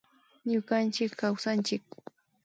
Ñukanchik kawsanchik